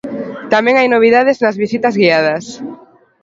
Tamén hai novidades nas visitas guiadas.